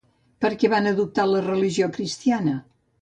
Per què van adoptar la religió cristiana?